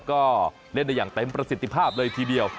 ก็เล่นได้อย่างเต็มประสิทธิภาพเลยทีเดียว